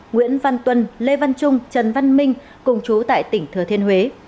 nguyễn văn tuân lê văn trung trần văn minh cùng chú tại tỉnh thừa thiên huế